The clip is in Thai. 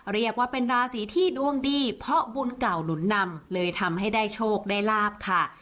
เรียกว่าเป็นราศีที่ดวงดีเพราะบุญเก่าหนุนนำเลยทำให้ได้โชคได้ลาบค่ะ